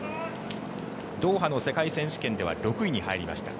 ドーハの世界選手権では６位に入りました。